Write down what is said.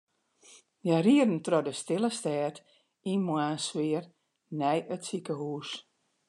Hja rieden troch de stille stêd yn moarnssfear nei it sikehûs.